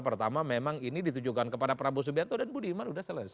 pertama memang ini ditujukan kepada prabowo subianto dan budiman sudah selesai